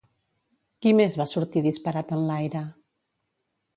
Qui més va sortir disparat enlaire?